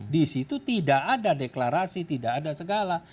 di situ tidak ada deklarasi tidak ada segala